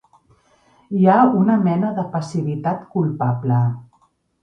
Hi ha una mena de passivitat culpable.